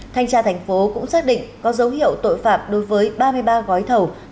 thanh tra thành phố cũng xác định có dấu hiệu tội phạm đối với ba mươi ba gói thầu